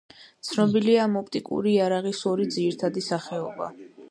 ცნობილია ამ ოპტიკური იარაღის ორი ძირითადი სახეობა.